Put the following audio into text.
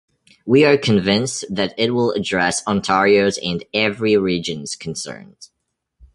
We are convinced that it will address Ontario's and every region's concerns.